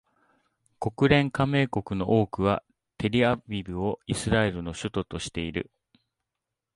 国連加盟国の多くはテルアビブをイスラエルの首都としている